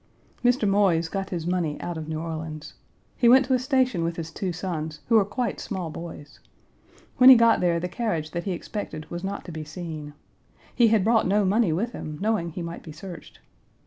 Mr. Moise got his money out of New Orleans. He went to a station with his two sons, who were quite small boys. When he got there, the carriage that he expected was not to be seen. He had brought no money with him, knowing he might be searched.